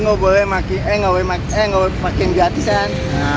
enggak boleh pakai eh enggak boleh pakai eh enggak boleh pakai jati kan